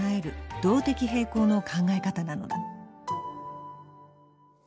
動的平衡の考え方なのだ。